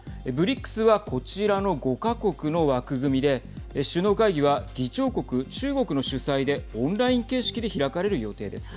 ＢＲＩＣＳはこちらの５か国の枠組みで首脳会議は議長国、中国の主催でオンライン形式で開かれる予定です。